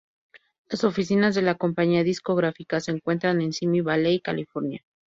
Las oficinas de la compañía discográfica se encuentran en Simi Valley, California.